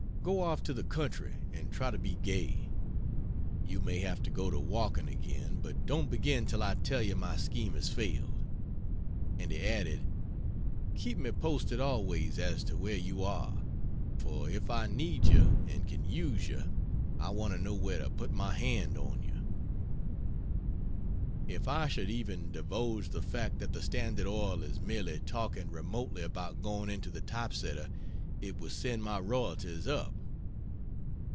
Go off to the country and try to be gay. You may have to go to walking again, but don't begin till I tell you my scheme has failed." And he added: "Keep me posted always as to where you are for if I need you and can use you I want to know where to put my hand on you." If I should even divulge the fact that the Standard Oil is merely talking remotely about going into the type setter, it would send my royalties up.